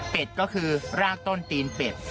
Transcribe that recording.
เป็นก็คือรากต้นตีนเป็ด